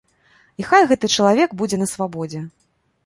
І хай гэты чалавек будзе на свабодзе.